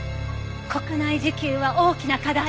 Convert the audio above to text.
国内自給は大きな課題。